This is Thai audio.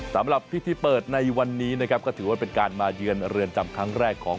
สำหรับพิธีเปิดในวันนี้นะครับก็ถือว่าเป็นการมาเยือนเรือนจำครั้งแรกของ